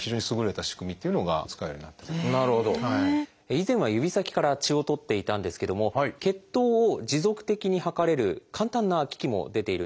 以前は指先から血を採っていたんですけども血糖を持続的に測れる簡単な機器も出ているんです。